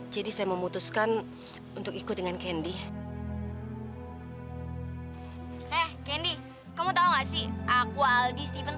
jadi saya memutuskan untuk ikut dengan candy hai eh candy kamu tahu nggak sih aku aldi itu panik